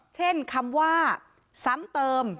เช่นคำว่าซ้ำเติม